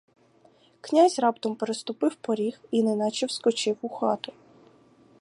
Князь раптом переступив поріг і неначе вскочив у хату.